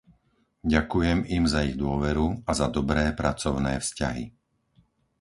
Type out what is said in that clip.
Ďakujem im za ich dôveru a za dobré pracovné vzťahy.